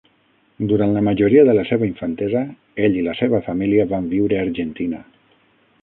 Durant la majoria de la seva infantesa, ell i la seva família van viure a Argentina.